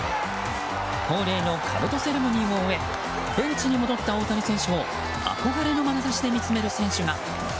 恒例のかぶとセレモニーを終えベンチに戻った大谷選手を憧れのまなざしで見つめる選手が。